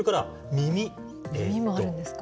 耳もあるんですか。